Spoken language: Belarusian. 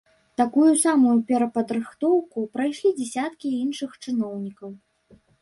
Такую самую перападрыхтоўку прайшлі дзясяткі іншых чыноўнікаў.